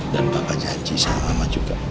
dan papa janji sama mama juga